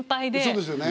そうですよね。